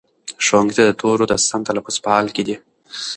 ښوونکی د تورو د سم تلفظ په حال کې دی.